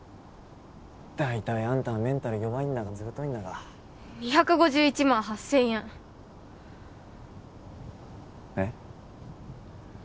大体あんたはメンタル弱いんだかずぶといんだか２５１万８０００円えっ？